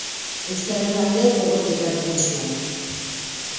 Euskararen alde gogotik lan egin zuen.